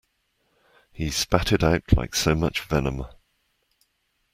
He spat it out like so much venom.